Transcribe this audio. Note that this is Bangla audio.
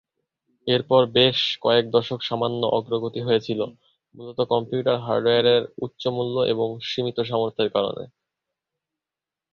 এরপর বেশ কয়েক দশক সামান্য অগ্রগতি হয়েছিল, মূলত কম্পিউটার হার্ডওয়্যারের উচ্চ মূল্য এবং সীমিত সামর্থ্যের কারণে।